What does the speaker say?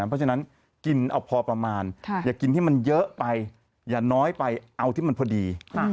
เพราะฉะนั้นกินเอาพอประมาณอย่ากินที่มันเยอะไปอย่าน้อยไปเอาที่มันพอดี